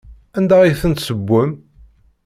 Anda ay ten-tessewwem?